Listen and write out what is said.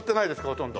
ほとんど。